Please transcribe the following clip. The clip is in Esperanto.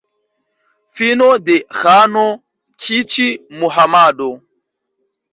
Filo de ĥano Kiĉi-Muhamado.